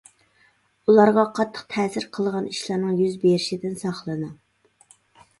ئۇلارغا قاتتىق تەسىر قىلىدىغان ئىشلارنىڭ يۈز بېرىشىدىن ساقلىنىڭ.